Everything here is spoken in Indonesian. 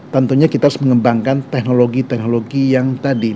tentunya kita harus mengembangkan teknologi teknologi yang tadi